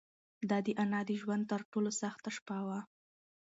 دا د انا د ژوند تر ټولو سخته شپه وه.